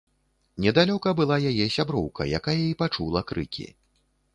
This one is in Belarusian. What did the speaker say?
Недалёка была яе сяброўка, якая і пачула крыкі.